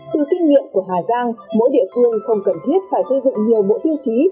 từ kinh nghiệm của hà giang mỗi địa phương không cần thiết phải xây dựng nhiều bộ tiêu chí